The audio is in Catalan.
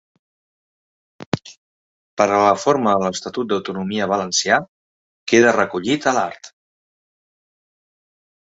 Per a la reforma de l'estatut d'autonomia valencià, queda recollit a l'art.